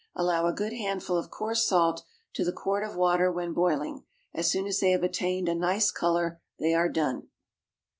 Allow a good handful of coarse salt to the quart of water when boiling; as soon as they have attained a nice colour they are done.